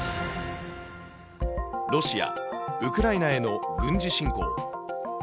ロシア、ウクライナへの軍事侵攻。